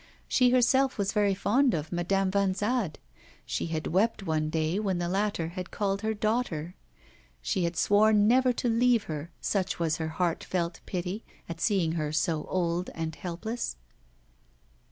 She herself was very fond of Madame Vanzade; she had wept one day when the latter had called her daughter; she had sworn never to leave her, such was her heart felt pity at seeing her so old and helpless.